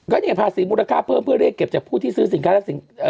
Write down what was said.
ก็เนี่ยภาษีมูลค่าเพิ่มเพื่อเรียกเก็บจากผู้ที่ซื้อสินค้าและสิ่ง